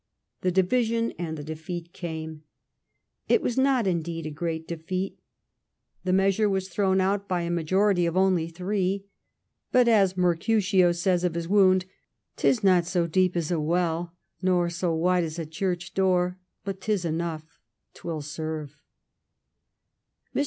The division and the defeat came. It was not, in deed, a great defeat. The measure was thrown out u 290 THE STORY OF GLADSTONE'S LIFE by a majority of only three. But, as Mercutio says of his wound, " 't is not so deep as a well, nor so wide as a church door, but 't is enough — 't will serve." Mr.